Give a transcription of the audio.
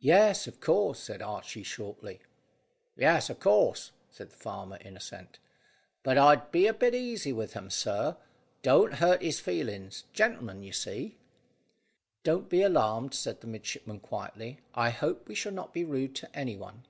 "Yes, of course," said Archy shortly. "Yes, of course," said the farmer, in assent. "But I'd be a bit easy with him, sir. Don't hurt his feelings. Gentleman, you see." "Don't be alarmed," said the midshipman quietly. "I hope we shall not be rude to any one."